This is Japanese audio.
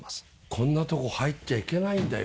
こんなとこ入っちゃいけないんだよ。